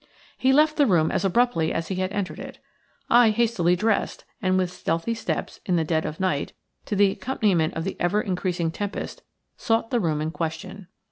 He left the room as abruptly as he had entered it. I hastily dressed, and with stealthy steps, in the dead of night, to the accompaniment of the ever increasing tempest, sought the room in question.